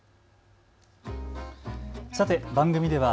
さて番組では＃